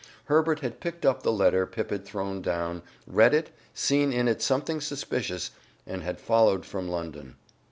Herbert had picked up the letter Pip had thrown down, read it, seen in it something suspicious, and had followed from London.